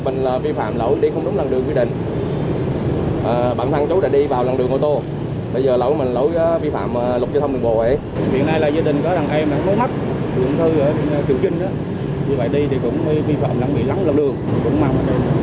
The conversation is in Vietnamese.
nhiều trường hợp lưu thông vượt dàn đỏ đi vào làng đường cấm lấn làng đường cấm lấn làng đường cấm lấn làng đường cấm